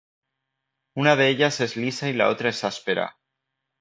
Una de ellas es lisa y la otra es áspera.